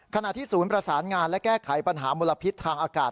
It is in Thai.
ขณะที่ศูนย์ประสานงานและแก้ไขปัญหามลพิษทางอากาศ